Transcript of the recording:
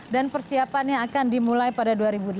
dan persiapannya akan dimulai pada dua ribu delapan belas